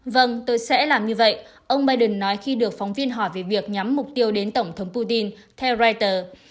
vâng tôi sẽ làm như vậy ông biden nói khi được phóng viên hỏi về việc nhắm mục tiêu đến tổng thống putin theo reuters